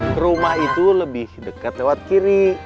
ke rumah itu lebih dekat lewat kiri